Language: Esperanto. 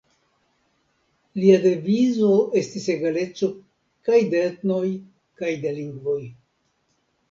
Lia devizo estis egaleco kaj de etnoj kaj de lingvoj.